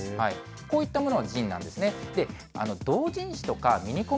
こういったものがＺＩＮＥなんですね。